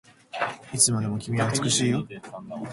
いつまでも君は美しいよ